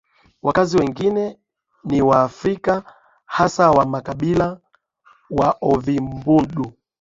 Wakazi wengi ni Waafrika hasa wa makabila ya Waovimbundu